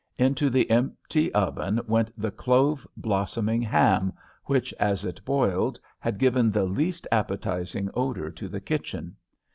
Into the empty oven went the clove blossoming ham, which, as it boiled, had given the least appetizing odor to the kitchen.